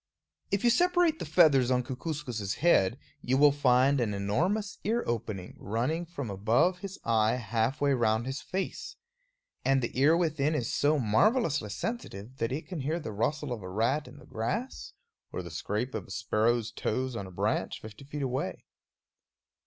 If you separate the feathers on Kookooskoos' head, you will find an enormous ear opening running from above his eye halfway round his face. And the ear within is so marvelously sensitive that it can hear the rustle of a rat in the grass, or the scrape of a sparrow's toes on a branch fifty feet away.